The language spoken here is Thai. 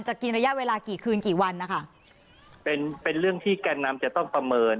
กินระยะเวลากี่คืนกี่วันนะคะเป็นเป็นเรื่องที่แกนนำจะต้องประเมิน